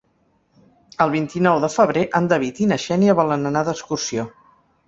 El vint-i-nou de febrer en David i na Xènia volen anar d'excursió.